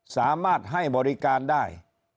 สามารถให้บริการได้